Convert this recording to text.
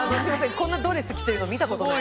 こんなドレス着てるの見た事ない。